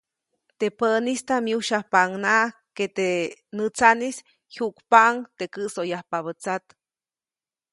Teʼ pänistaʼm myujsyajpaʼuŋnaʼajk ke teʼ nätsaʼnis jyuʼkpaʼuŋ teʼ käʼsoyajpabä tsat.